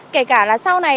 kể cả là sau này